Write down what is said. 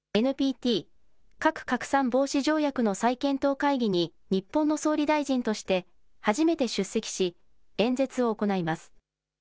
ＮＰＴ・核拡散防止条約の再検討会議に日本の総理大臣として初めて出席し演説を行います。